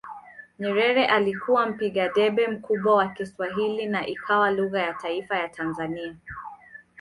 Nyerere alikuwa mpiga debe mkubwa wa Kiswahili na ikawa lugha ya taifa ya Tanzania